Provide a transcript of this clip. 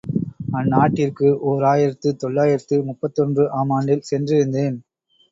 அந்நாட்டிற்கு ஓர் ஆயிரத்து தொள்ளாயிரத்து முப்பத்தொன்று ஆம் ஆண்டில் சென்றிருந்தேன்.